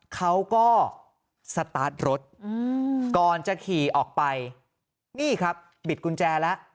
เขาก็สตาร์ทรถก่อนจะขี่ออกไปนี่ครับบิดกุญแจแล้ว